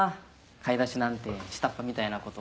買い出しなんて下っ端みたいなこと。